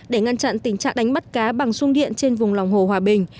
để ngăn chặn tình trạng đánh bắt cá bằng sung điện trên vùng lòng hồ hòa bình